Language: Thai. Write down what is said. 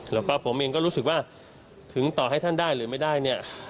แล้วก็ผมเองก็รู้สึกว่าถึงต่อให้ท่านได้หรือไม่ได้เนี่ย